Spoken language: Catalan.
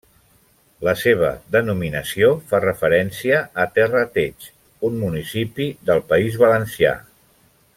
La seva denominació fa referència a Terrateig, un municipi del País Valencià.